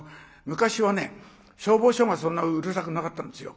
昔は消防署がそんなうるさくなかったんですよ。